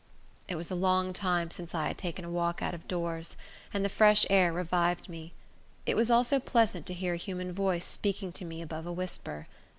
It was a long time since I had taken a walk out of doors, and the fresh air revived me. It was also pleasant to hear a human voice speaking to me above a whisper.